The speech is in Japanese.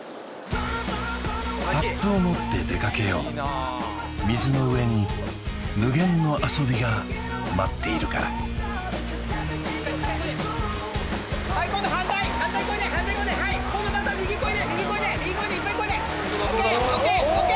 ＳＵＰを持って出かけよう水の上に無限の遊びが待っているからはい今度反対反対漕いで反対漕いで今度また右漕いで右漕いで右漕いでいっぱい漕いでＯＫＯＫＯＫ！